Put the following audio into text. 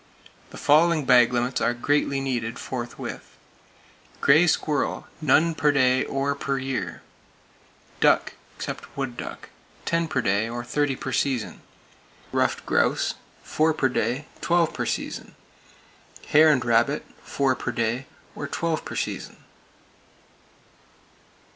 The following bag limits are greatly needed, forthwith: Gray Squirrel, none per day, or per year; duck (except wood duck), ten per day, or thirty per season; ruffed grouse, four per day, twelve per season; hare and rabbit, four per day, or twelve per season.